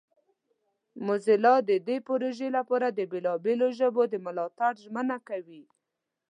موزیلا د دې پروژې لپاره د بیلابیلو ژبو د ملاتړ ژمنه کوي.